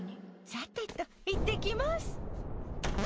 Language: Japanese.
さてと、行ってきます。